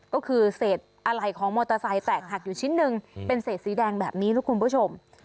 ก็คือเศษอะไหล่ของมอเตอร์ไซค์แตกหักอยู่ชิ้นหนึ่งเป็นเศษสีแดงแบบนี้นะคุณผู้ชม